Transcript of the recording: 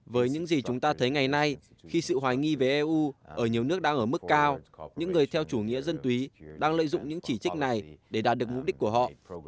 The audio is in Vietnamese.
với những gì chúng ta thấy ngày nay khi sự hoài nghi về eu ở nhiều nước đang ở mức cao những người theo chủ nghĩa dân túy đang lợi dụng những chỉ trích này để đạt được mục đích của họ